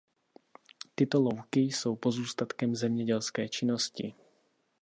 Tyto louky jsou pozůstatkem zemědělské činnosti.